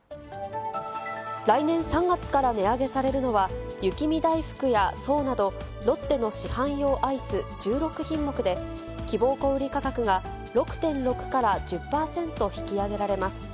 来年３月から値上げされるのは、雪見だいふくや爽など、ロッテの市販用アイス１６品目で、希望小売り価格が６．６から１０％引き上げられます。